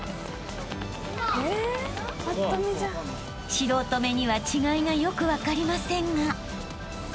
［素人目には違いがよく分かりませんが］